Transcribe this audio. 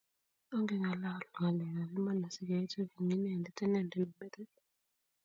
Ongengalal ngalek ab iman asikeetu eng Inendet, inendet ne metit